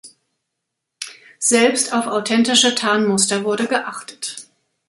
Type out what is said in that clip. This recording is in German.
Selbst auf authentische Tarnmuster wurde geachtet.